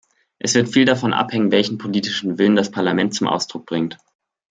Es wird viel davon abhängen, welchen politischen Willen das Parlament zum Ausdruck bringt.